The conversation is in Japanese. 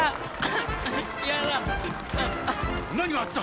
嫌だ何があった？